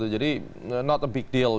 jadi tidak besar